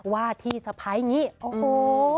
ว่าที่สะพ้ายอย่างนี้โอ้โห